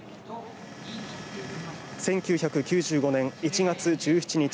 １９９５年１月１７日